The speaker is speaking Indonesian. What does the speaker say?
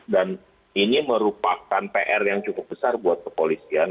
dan ini merupakan pr yang cukup besar buat kepolisian